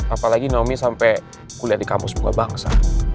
apalagi naomi sampai kuliah di kamus bunga bangsa